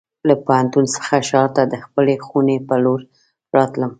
له پوهنتون څخه ښار ته د خپلې خونې په لور راتلم.